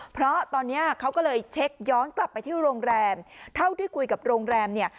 เพราะตอนนี้เขาก็เลยเช็คย้อนกลับไปที่โรงแรมเท่าที่คุยกับโรงแรมเนี่ย